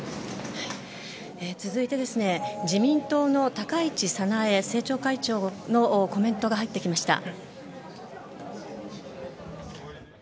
続いて、自民党の高市早苗政調会長のコメントが入ってきました。